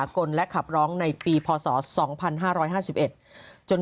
เขาเป็นคนแรก